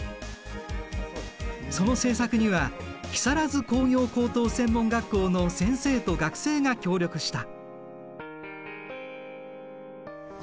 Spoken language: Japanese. その製作には木更津工業高等専門学校の先生と学生が協力した。